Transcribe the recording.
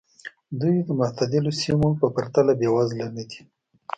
دوی د معتدلو سیمو په پرتله بېوزله نه دي.